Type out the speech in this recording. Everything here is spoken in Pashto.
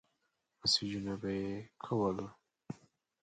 مسېجونه به يې کول.